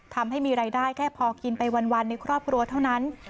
ทำให้มีรายได้แค่พอกินไปวันในครอบครัวเท่านั้น